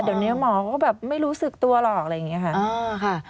เดี๋ยวนี้หมอก็แบบไม่รู้สึกตัวหรอกอะไรอย่างนี้ค่ะ